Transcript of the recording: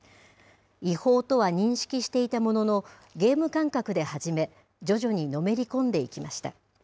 違法とは認識していたものの、ゲーム感覚で始め、徐々にのめり込んでいきました。